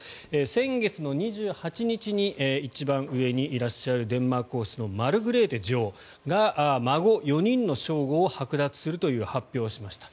先月の２８日に一番上にいらっしゃるデンマーク王室のマルグレーテ女王が孫４人の称号をはく奪するという発表をしました。